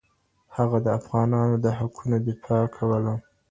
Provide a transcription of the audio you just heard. هغه د افغانانو د حقونو دفاع کوله.